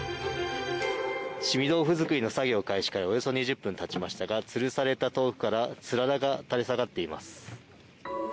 しみ豆腐作りの作業開始からおよそ２０分たちましたがつるされた豆腐からつららが垂れ下がっています。